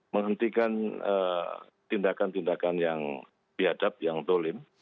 menghentikan tindakan tindakan yang biadab yang dolim